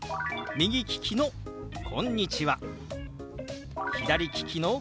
左利きの「こんにちは」。